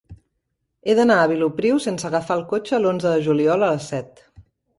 He d'anar a Vilopriu sense agafar el cotxe l'onze de juliol a les set.